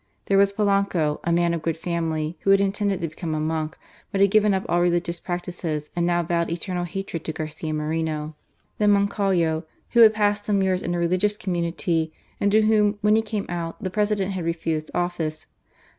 There was Polanco, a man of good family, who had intended to become a monk, but had given up all religious practices and now vowed eternal hatred to Garcia Moreno. Then Moncayo, who had passed some years in a religious community, and to whom, when he came out, the President had refused office.